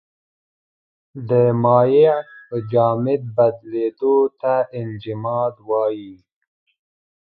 د مایع په جامد بدلیدو ته انجماد وايي.